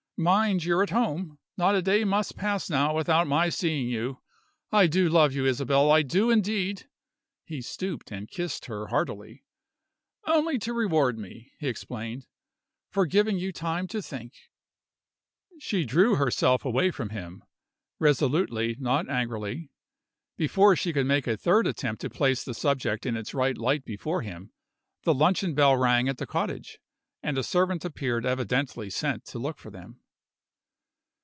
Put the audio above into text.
Mind you're at home! Not a day must pass now without my seeing you. I do love you, Isabel I do, indeed!" He stooped, and kissed her heartily. "Only to reward me," he explained, "for giving you time to think." She drew herself away from him resolutely, not angrily. Before she could make a third attempt to place the subject in its right light before him, the luncheon bell rang at the cottage and a servant appeared evidently sent to look for them.